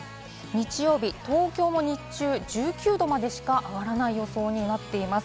日曜日、東京も日中１９度までしか上がらない予想になっています。